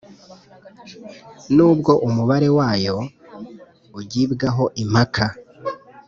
n'ubwo umubare wayo ugibwaho impaka,